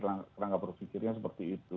rangka rangka berpikir yang seperti itu